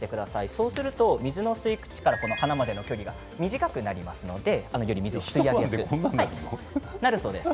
そうすると水の吸い口から花までの距離が短くなりますのでより水を吸い上げやすくなるそうです。